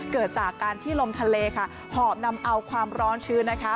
เกิดจากการที่ลมทะเลค่ะหอบนำเอาความร้อนชื้นนะคะ